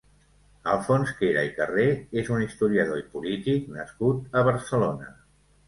Alfons Quera i Carré és un historiador i polític nascut a Barcelona.